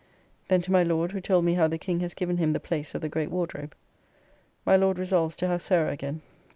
Then to my Lord who told me how the King has given him the place of the great Wardrobe. My Lord resolves to have Sarah again.